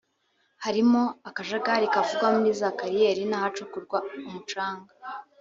harimo akajagari kavugwa muri za kariyeri n’ahacukurwa umucanga